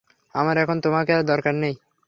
আমার এখন তোমাকে আর দরকার নেই।